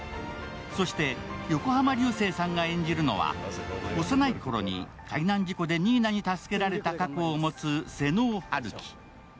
そして、横浜流星さんが演じるのは幼いころに海難事故で新名に助けられた過去を持つ瀬能陽生。